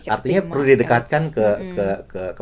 artinya perlu didekatkan ke